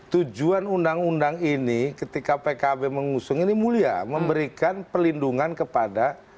tujuan undang undang ini ketika pkb mengusung ini mulia memberikan pelindungan kepada